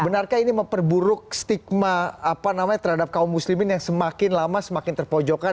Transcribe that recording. benarkah ini memperburuk stigma terhadap kaum muslimin yang semakin lama semakin terpojokan